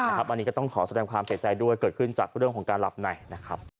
อันนี้ก็ต้องขอแสดงความเสียใจด้วยเกิดขึ้นจากเรื่องของการหลับในนะครับ